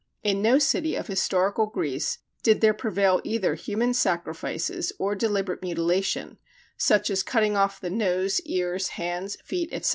In no city of historical Greece did there prevail either human sacrifices or deliberate mutilation, such as cutting off the nose, ears, hands, feet, etc.